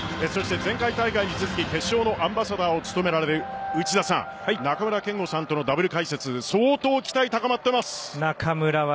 前回大会に続き決勝のアンバサダーを務められる内田さん中村憲剛さんとのダブル解説相当、期待高まっています。